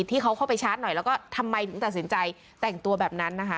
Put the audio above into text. ที่เขาเข้าไปชาร์จหน่อยแล้วก็ทำไมถึงตัดสินใจแต่งตัวแบบนั้นนะคะ